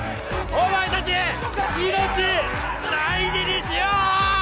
お前たち命大事にしよう！